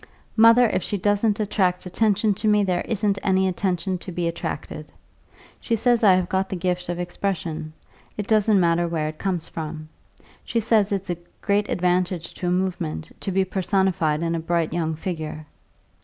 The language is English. Mother, if she doesn't attract attention to me there isn't any attention to be attracted. She says I have got the gift of expression it doesn't matter where it comes from. She says it's a great advantage to a movement to be personified in a bright young figure.